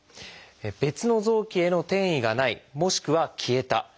別の臓器への転移がないもしくは消えた。